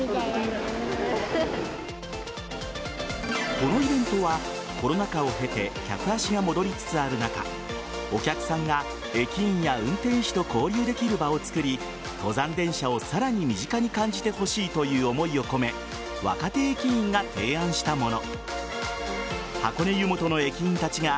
このイベントはコロナ禍を経て客足が戻りつつある中お客さんが駅員や運転士と交流できる場をつくり登山電車をさらに身近に感じてほしいという思いを込め若手駅員が提案したもの。